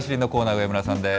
上村さんです。